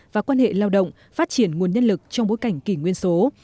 và quan hệ lao động phát triển nguồn nhân lực trong bối cảnh kỷ nguyên số